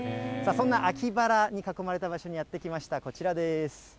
そんな秋バラに囲まれた場所にやって来ました、こちらです。